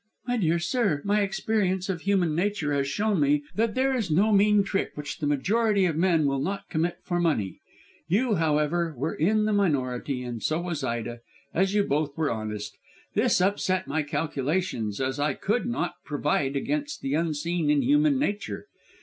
"My dear sir, my experience of human nature has shown me that there is no mean trick which the majority of men will not commit for money. You, however, were in the minority, and so was Ida, as you both were honest. This upset my calculations, as I could not provide against the unseen in human nature.